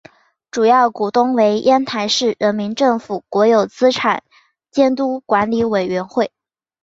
主要股东为烟台市人民政府国有资产监督管理委员会。